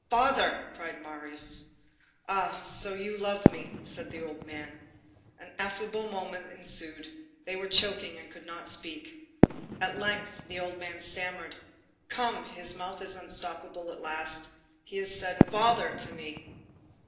"Father!" cried Marius. "Ah, so you love me!" said the old man. An ineffable moment ensued. They were choking and could not speak. At length the old man stammered: "Come! his mouth is unstopped at last. He has said: 'Father' to me."